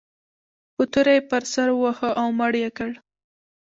په توره یې پر سر وواهه او مړ یې کړ.